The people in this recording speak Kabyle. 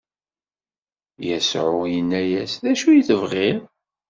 Yasuɛ inna-as: D acu i tebɣiḍ?